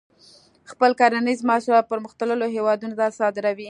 خپل کرنیز محصولات پرمختللو هیوادونو ته صادروي.